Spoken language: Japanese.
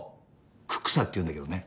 ククサっていうんだけどね